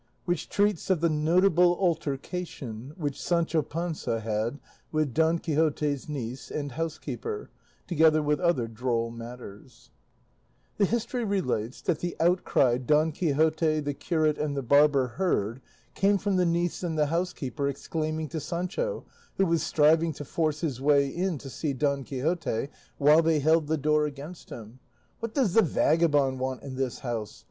WHICH TREATS OF THE NOTABLE ALTERCATION WHICH SANCHO PANZA HAD WITH DON QUIXOTE'S NIECE, AND HOUSEKEEPER, TOGETHER WITH OTHER DROLL MATTERS The history relates that the outcry Don Quixote, the curate, and the barber heard came from the niece and the housekeeper exclaiming to Sancho, who was striving to force his way in to see Don Quixote while they held the door against him, "What does the vagabond want in this house?